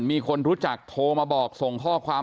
มีคนรู้จักโทรมาบอกส่งข้อความ